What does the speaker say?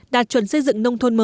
đạt chuẩn xây dựng nông thôn mới